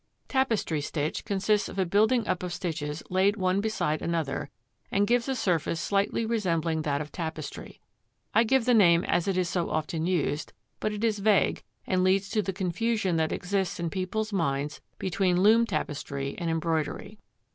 Tapestry stitch consists of a building up of stitches laid one beside another, and gives a surface slightly resembling that of tapestry. I give the name as it is so often used, but it is vague, and leads to the confusion that exists in people's minds between loom tapestry and embroidery.